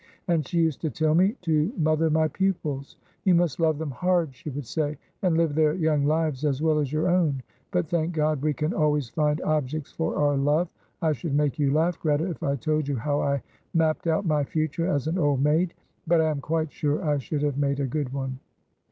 And she used to tell me to mother my pupils. 'You must love them hard,' she would say, 'and live their young lives as well as your own;' but, thank God, we can always find objects for our love. I should make you laugh, Greta, if I told you how I mapped out my future as an old maid; but I am quite sure I should have made a good one."